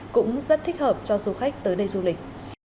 cũng rất thích hợp cho du khách tới đây du lịch